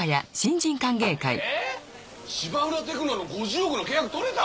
えっ芝浦テクノの５０億の契約取れた！？